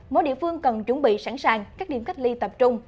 mỗi địa phương cần chuẩn bị sẵn sàng các điểm cách ly tập trung